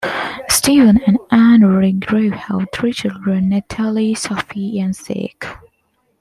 Steven and Ann Redgrave have three children, Natalie, Sophie and Zac.